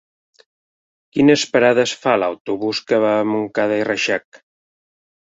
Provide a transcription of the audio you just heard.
Quines parades fa l'autobús que va a Montcada i Reixac?